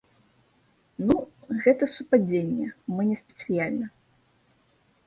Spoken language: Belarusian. Ну, гэта супадзенне, мы не спецыяльна.